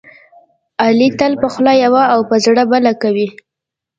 علي تل په خوله یوه او په زړه بله کوي.